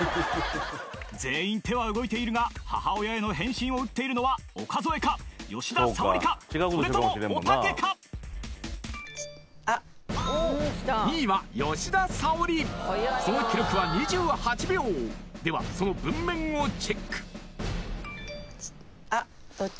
全員手は動いているが母親への返信を打っているのは岡副か吉田沙保里かそれともおたけか２位は吉田沙保里その記録は２８秒ではその文面をチェックあっ